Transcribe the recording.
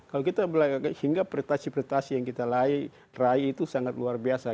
kalau kita melayani sehingga prestasi prestasi yang kita layani itu sangat luar biasa